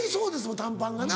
短パンがな。